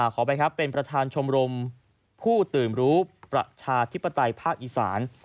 ขอไปครับเป็นประธานชมรมผู้ตื่นรู้ประชาธิปไตยภาคอีสาน